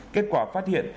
kết quả phát hiện